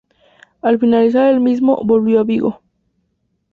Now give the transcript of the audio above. Al finalizar el mismo, volvió a Vigo.